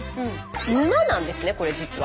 沼なんですねこれ実は。